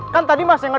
kan tadi mas yang kejar